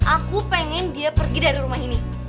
aku pengen dia pergi dari rumah ini